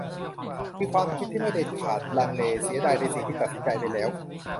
มีความคิดที่ไม่เด็ดขาด ลังเล เสียดายในสิ่งที่ตัดสินใจไปแล้ว